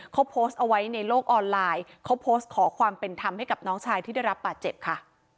เขาโพสต์เอาไว้ในโลกออนไลน์เขาโพสต์ขอความเป็นธรรมให้กับน้องชายที่ได้รับบาดเจ็บค่ะ